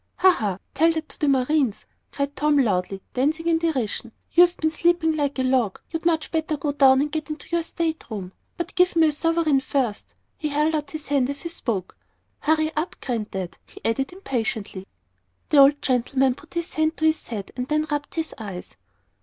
"Ha! Ha! tell that to the marines," cried Tom, loudly, dancing in derision, "You've been sleeping like a log. You'd much better go down and get into your state room. But give me a sovereign first." He held out his hand as he spoke. "Hurry up, Granddad!" he added impatiently. The old gentleman put his hand to his head, and then rubbed his eyes.